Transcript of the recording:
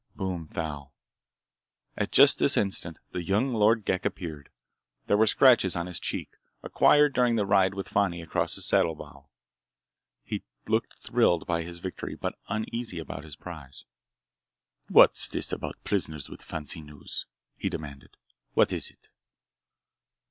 boomed Thal. At just this instant the young Lord Ghek appeared. There were scratches on his cheek, acquired during the ride with Fani across his saddlebow. He looked thrilled by his victory but uneasy about his prize. "What's this about prisoners with fancy news?" he demanded. "What is it?"